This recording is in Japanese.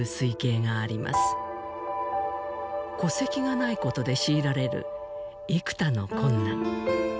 戸籍がないことで強いられる幾多の困難。